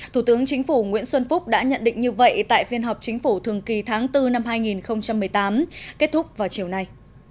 thủ tướng chính phủ nguyễn xuân phúc đã nhận định như vậy tại phiên họp chính phủ thường kỳ tháng bốn năm hai nghìn một mươi tám kết thúc vào chiều nay